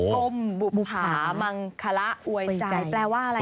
ก้มบุภามังคละอวยใจแปลว่าอะไร